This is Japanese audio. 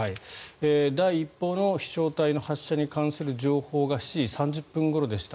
第１報の飛翔体の発射に関する情報が７時３０分ごろでした。